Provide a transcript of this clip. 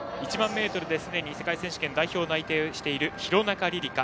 １００００ｍですでに世界選手権代表内定している廣中璃梨佳。